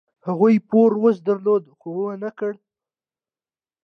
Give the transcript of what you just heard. هغوی پوره وس درلود، خو و نه کړ.